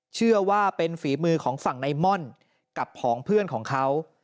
เชื่อว่าเป็นฝีมือของฝั่งในม่อนกับผองเพื่อนของเขา